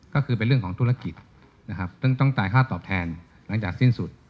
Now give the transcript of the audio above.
ก็คือเป็นเรื่องของธุรกิจนะครับซึ่งต้องจ่ายค่าตอบแทนหลังจากสิ้นสุด